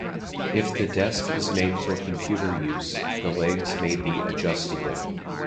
If the desk is made for computer use, the legs may be adjustable.